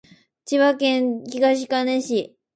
千葉県東金市